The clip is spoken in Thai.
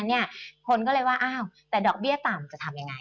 คนก็เลยว่าอ้าวแต่ดอกเบี้ยต่ำจะทำยังไง